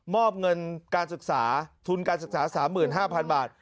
มอบเงินการศึกษาทุนการศึกษาสามหมื่นห้าพันบาท